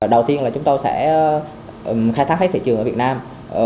đầu tiên là chúng tôi sẽ khai thác hết thị trường ở việt nam